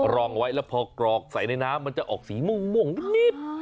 รองไว้แล้วพอกรอกใส่ในน้ำมันจะออกสีม่วงนิด